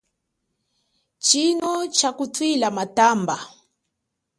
Tshino tsha kutwila matamba.